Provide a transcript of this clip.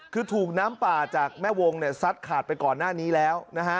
คือถูกน้ำป่าจากแม่วงเนี่ยซัดขาดไปก่อนหน้านี้แล้วนะฮะ